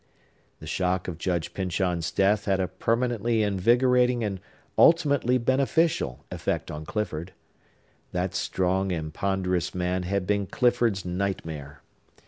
The shock of Judge Pyncheon's death had a permanently invigorating and ultimately beneficial effect on Clifford. That strong and ponderous man had been Clifford's nightmare.